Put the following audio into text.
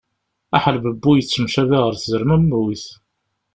Aḥelbebbu yettemcabi ɣer tzermemmuyt.